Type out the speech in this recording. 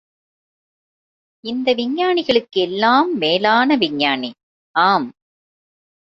இந்த விஞ்ஞானிகளுக்கு எல்லாம் மேலான விஞ்ஞானி, ஆம்!